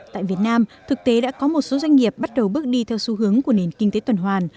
tại việt nam thực tế đã có một số doanh nghiệp bắt đầu bước đi theo xu hướng của nền kinh tế tuần hoàn